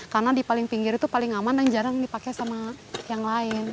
karena di paling pinggir itu paling aman dan jarang dipakai sama yang lain